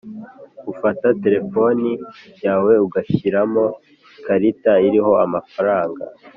ufata telefoni yawe ugashiramo ikarita iriho amafaranga